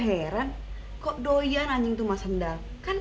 eh bannya gue melepaskan